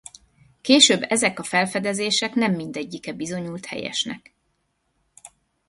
Később ezek a felfedezések nem mindegyike bizonyult helyesnek.